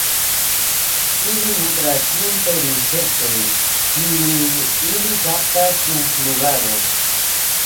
Ili nutras sin per insektoj, kiujn ili kaptas dum flugado.